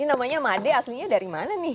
ini namanya made aslinya dari mana